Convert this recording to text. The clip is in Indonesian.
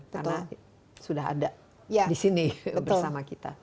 karena sudah ada di sini bersama kita